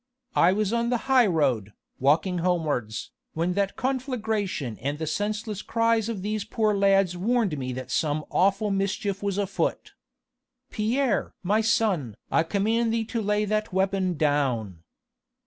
I was on the high road, walking homewards, when that conflagration and the senseless cries of these poor lads warned me that some awful mischief was afoot. Pierre! my son! I command thee to lay that weapon down."